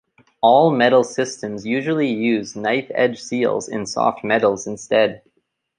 All metal systems usually use knife-edge seals in soft metals instead.